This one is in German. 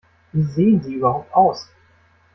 Wie sehen Sie überhaupt aus?